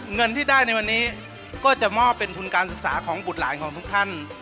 เงินที่ได้ในวันนี้ก็จะมอบเป็นทุนการศึกษาของบุตรหลานของทุกท่าน